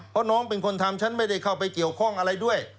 เพราะน้องเป็นคนทำฉันไม่ได้เข้าไปเกี่ยวข้องอะไรด้วย